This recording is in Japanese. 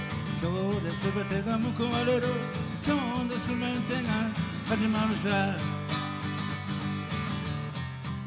今日ですべてがむくわれる今日ですべてが始まるさ。